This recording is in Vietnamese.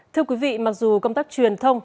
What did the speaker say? thưa quý vị mặc dù công tác truyền thông